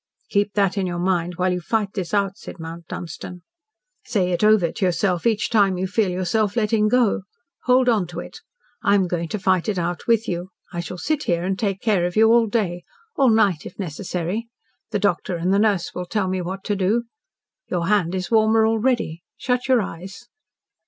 "Keep that in your mind while you fight this out," said Mount Dunstan. "Say it over to yourself each time you feel yourself letting go. Hold on to it. I am going to fight it out with you. I shall sit here and take care of you all day all night, if necessary. The doctor and the nurse will tell me what to do. Your hand is warmer already. Shut your eyes."